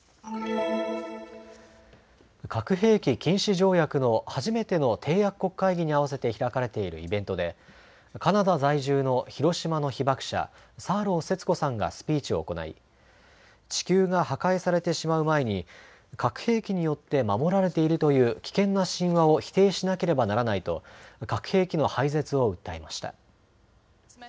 核兵器禁止条約の初めての締約国会議に合わせて開かれているイベントでカナダ在住の広島の被爆者、サーロー節子さんがスピーチを行い、地球が破壊されてしまう前に核兵器によって守られているという危険な神話を否定しなければならないと核兵器の廃絶を訴えました。